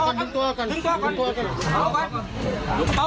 สวัสดีครับสวัสดีครับ